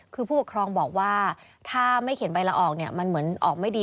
คือผู้ปกครองบอกว่าถ้าไม่เขียนใบละออกเนี่ยมันเหมือนออกไม่ดี